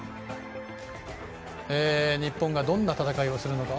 日本がどんな戦い方をするのか。